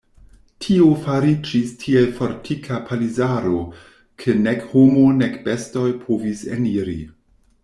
Tio fariĝis tiel fortika palisaro, ke nek homo nek bestoj povis eniri.